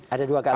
ada dua kali